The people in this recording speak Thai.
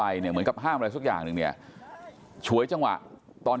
ที่จำพวกขัดจำว่ากลิ่น